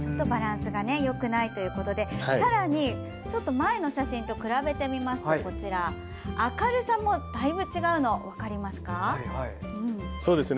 バランスがよくないということでさらにちょっと前の写真と比べてみますと明るさもだいぶ違うのが分かりますか？